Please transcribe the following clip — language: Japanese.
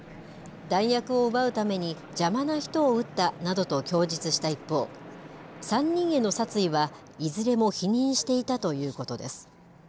弾薬を奪うために邪魔な人を撃ったなどと供述した一方、３人への殺意はいずれも否認していたということです。